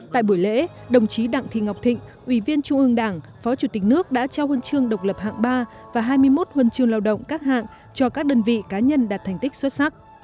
tại buổi lễ đồng chí đặng thị ngọc thịnh ủy viên trung ương đảng phó chủ tịch nước đã trao huân chương độc lập hạng ba và hai mươi một huân chương lao động các hạng cho các đơn vị cá nhân đạt thành tích xuất sắc